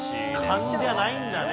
勘じゃないんだね。